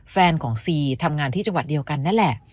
แฟนของซีทำงานที่จังหวัดเดียวกันนั่นแหละ